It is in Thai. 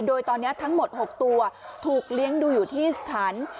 โดยตอนนี้ทั้งหมด๖ตัวถูกเลี้ยงดูอยู่ที่สถาน